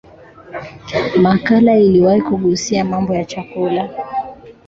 makala iliwahi kugusia mambo ya chakula